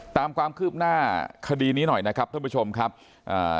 ตามความคืบหน้าคดีนี้หน่อยนะครับท่านผู้ชมครับอ่า